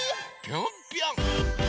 ぴょんぴょん！